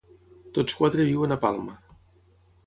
Tots quatre viuen a Palma.